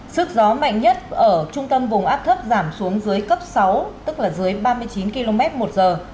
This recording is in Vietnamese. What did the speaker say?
sức gió mạnh nhất ở trung tâm vùng áp thấp giảm xuống dưới cấp sáu tức là dưới ba mươi chín km một giờ